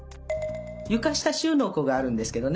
床下収納庫があるんですけどね